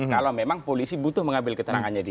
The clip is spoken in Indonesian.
kalau memang polisi butuh mengambil keterangannya dia